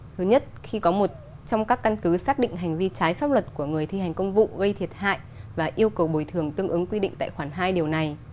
thứ nhất khi có một trong các căn cứ xác định hành vi trái pháp luật của người thi hành công vụ gây thiệt hại và yêu cầu bồi thường tương ứng quy định tại khoản hai điều này